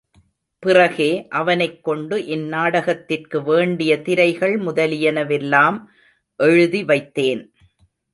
பிறகே அவனைக் கொண்டு இந் நாடகத்திற்கு வேண்டிய திரைகள் முதலியன வெல்லாம் எழுதி வைத்தேன்.